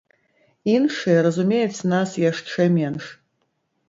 Іншыя разумеюць нас яшчэ менш.